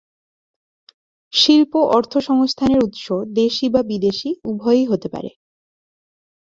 শিল্প অর্থসংস্থানের উৎস দেশি বা বিদেশি উভয়ই হতে পারে।